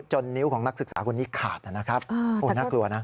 นิ้วของนักศึกษาคนนี้ขาดนะครับโอ้น่ากลัวนะ